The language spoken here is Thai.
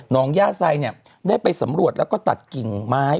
น้องย่าใสได้ไปสำรวจแล้วก็ตัดกิ่งไม้